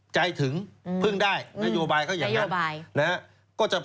ใจถึงเพิ่งได้นโยบายเขาอย่างนั้น